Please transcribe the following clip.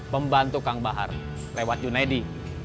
pembantu kang bahar lewat junedi